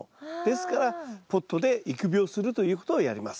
ですからポットで育苗するということをやります。